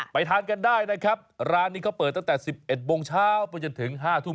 ทานกันได้นะครับร้านนี้เขาเปิดตั้งแต่๑๑โมงเช้าไปจนถึง๕ทุ่ม